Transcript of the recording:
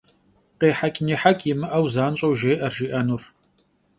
Khêheç' nêheç' yimı'eu zanş'eu jjê'er jji'enur.